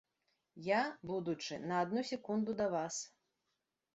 Я, будучы, на адну секунду да вас.